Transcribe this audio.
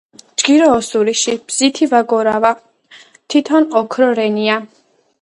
ჯგირი ოსურიში ბზითი ვაგორავა თითონ ოქრო რენია